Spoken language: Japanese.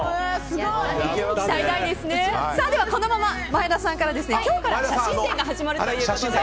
前田さんから今日から写真展が始まるということで。